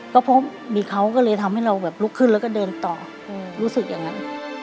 ก็เพราะมีเขาก็เลยทำให้เราแบบลุกขึ้นแล้วก็เดินต่อรู้สึกอย่างนั้น